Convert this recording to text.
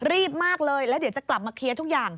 รีบมากเลยแล้วเดี๋ยวจะกลับมาเคลียร์ทุกอย่าง